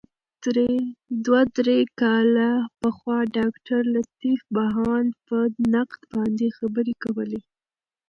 دوه درې کاله پخوا ډاګټرلطیف بهاند په نقد باندي خبري کولې.